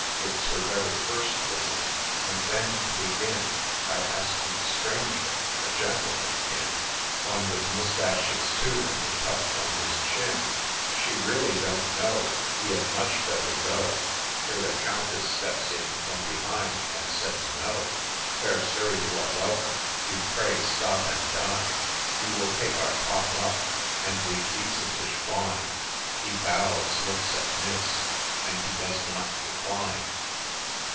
It 's her very first visit — and then to begin By asking a stranger — a gentleman, in — One with moustaches too — and a tuft on his chin — She ' really don't know — He had much better go,' — Here the Countess steps in from behind, and says ' No !— Fair sir, you are welcome. Do, pray, stop and dine — You will take our pot luck — and we've decentish wine.' He bows, looks at Miss, — and he does not decline.